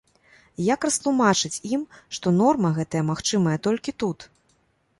І як растлумачыць ім, што норма гэтая магчымая толькі тут?